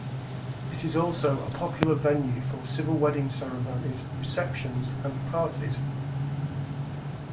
It is also a popular venue for civil wedding ceremonies, receptions and parties.